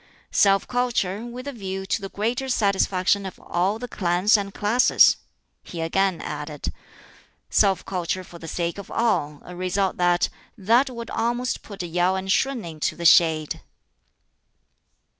"Self culture with a view to the greater satisfaction of all the clans and classes," he again added. "Self culture for the sake of all a result that, that would almost put Yau and Shun into the shade!"